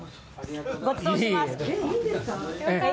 ごちそうします。